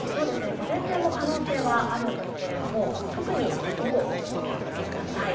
午前中も可能性はあるんですが特に午後、お気をつけください。